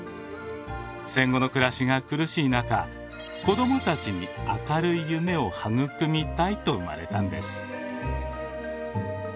戦後の暮らしが苦しい中子どもたちに明るい夢をはぐくみたいと生まれたんです。